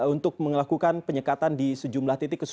untuk melakukan penyekatan di sejumlah titik